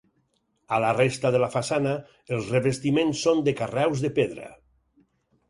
A la resta de la façana els revestiments són de carreus de pedra.